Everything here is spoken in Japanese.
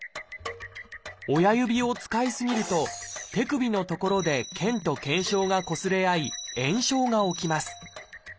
親指を使い過ぎると手首の所で腱と腱鞘がこすれ合い炎症が起きます。